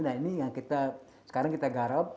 nah ini yang kita sekarang kita garap